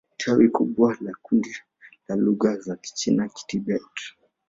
Ni tawi kubwa la kundi la lugha za Kichina-Kitibet.